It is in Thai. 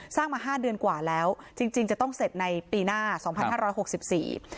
มาห้าเดือนกว่าแล้วจริงจริงจะต้องเสร็จในปีหน้าสองพันห้าร้อยหกสิบสี่